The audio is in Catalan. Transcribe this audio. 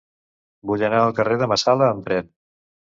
Vull anar al carrer de Marsala amb tren.